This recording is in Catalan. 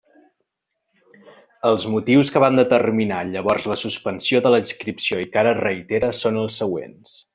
Els motius que van determinar llavors la suspensió de la inscripció i que ara reitera són els següents.